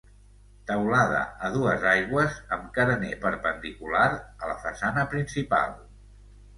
Teulada a dues aigües amb carener perpendicular a la façana principal.